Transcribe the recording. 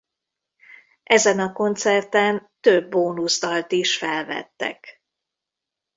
Ezen a koncerten több bónusz dalt is felvettek.